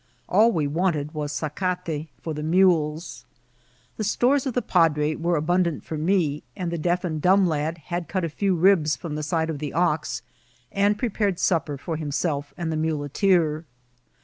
All we wanted was sacate* for the mules. The stores of the padre were abundant for me, and the deaf and dumb lad cut a few ribs from the side of the ox, and prepared supper for himself and tfie muleteer.